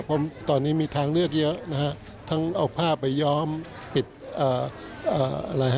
เพราะตอนนี้มีทางเลือกเยอะนะฮะทั้งเอาผ้าไปย้อมปิดอ่าอะไรฮะ